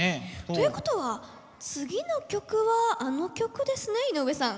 ということは次の曲はあの曲ですね井上さん。